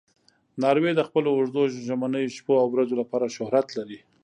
ناروی د خپلو اوږدو ژمنیو شپو او ورځو لپاره شهرت لري.